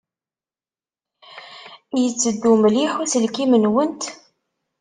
Yetteddu mliḥ uselkim-nwent?